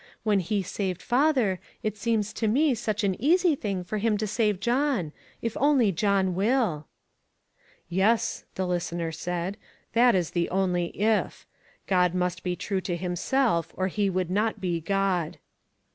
When he saved father it seems to me such an easy thing for him to save John ; if only John will." "Yes," the listener said, "that is the only ' if.' God must be true to himself or he would not be God."